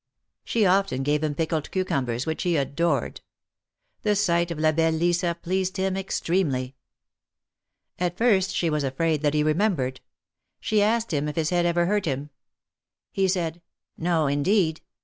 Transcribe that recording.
She often gave him pickled cucumbers, which he adored. The sight of La belle Lisa pleased him extremely. At first she was afraid that he remembered. She asked him if his head ever hurt him. He said: No, indeed